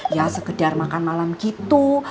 ya sekedar makan malam gitu